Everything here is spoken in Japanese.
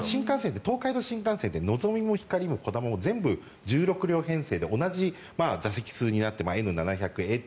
新幹線って東海道新幹線ってのぞみもひかりもこだまも全部１６両編成で同じ座席になっていて。